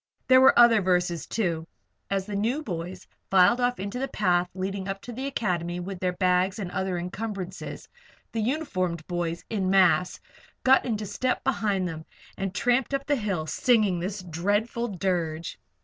There were other verses, too, and as the new boys filed off into the path leading up to the Academy with their bags and other encumbrances, the uniformed boys, en masse, got into step behind them and tramped up the hill, singing this dreadful dirge.